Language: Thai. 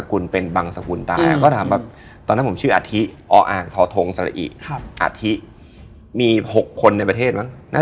ขึ้นเกาะมา